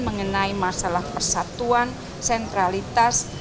mengenai masalah persatuan sentralitas